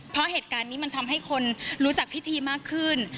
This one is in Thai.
เพราะเหตุการณ์นี้มันทำให้คนรู้จักพิธีมากขึ้น